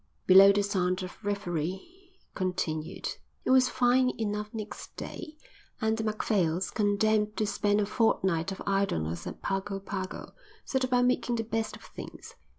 Below the sound of revelry continued. It was fine enough next day, and the Macphails, condemned to spend a fortnight of idleness at Pago Pago, set about making the best of things.